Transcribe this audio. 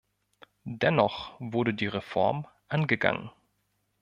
Dennoch wurde die Reform angegangen.